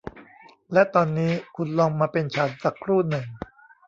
และตอนนี้คุณลองมาเป็นฉันสักครู่หนึ่ง